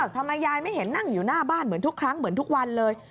ทำไมยายไม่เห็นนั่งอยู่หน้าบ้านเหมือนทุกครั้งเหมือนทุกวันเลย